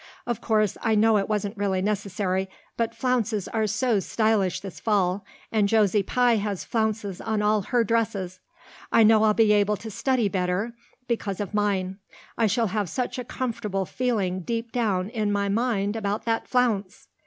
Of course I know it wasn't really necessary, but flounces are so stylish this fall and Josie Pye has flounces on all her dresses. I know I'll be able to study better because of mine. I shall have such a comfortable feeling deep down in my mind about that flounce."